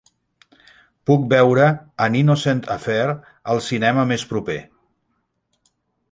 Puc veure "An Innocent Affair" al cinema més proper.